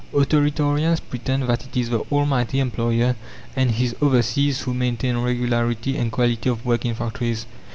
Authoritarians pretend that it is the almighty employer and his overseers who maintain regularity and quality of work in factories.